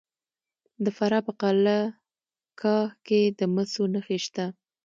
د فراه په قلعه کاه کې د مسو نښې شته.